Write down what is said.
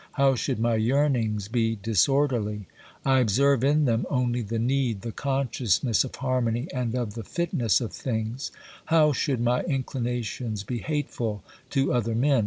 How should my yearnings be dis orderly ? I observe in them only the need, the conscious ness of harmony, and of the fitness of things. How should my inclinations be hateful to other men?